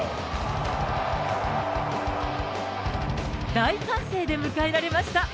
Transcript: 大歓声で迎えられました。